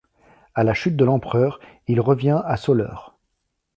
À la chute de l'empereur, il revient à Soleure.